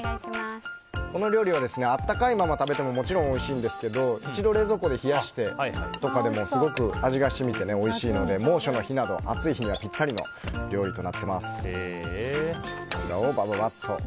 この料理は温かいまま食べてももちろんおいしいんですけど一度冷蔵庫で冷やしてとかでもすごく味が染みておいしいので猛暑の日など、暑い日にはぴったりの料理になっています。